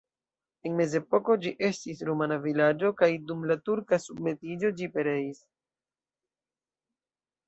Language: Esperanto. En mezepoko ĝi estis rumana vilaĝo kaj dum la turka submetiĝo ĝi pereis.